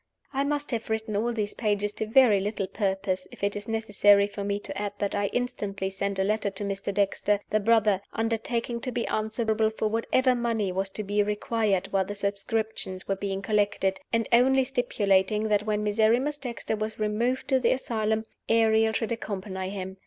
I must have written all these pages to very little purpose if it is necessary for me to add that I instantly sent a letter to Mr. Dexter, the brother, undertaking to be answerable for whatever money was to be required while the subscriptions were being collected, and only stipulating that when Miserrimus Dexter was removed to the asylum, Ariel should accompany him.